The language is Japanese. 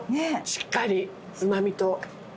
しっかりうまみと。